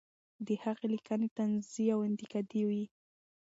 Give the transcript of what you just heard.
د هغې لیکنې طنزي او انتقادي وې.